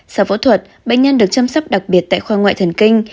sau phẫu thuật bệnh nhân được chăm sóc đặc biệt tại khoa ngoại thần kinh